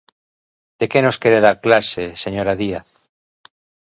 De que nos quere dar clase, señora Díaz?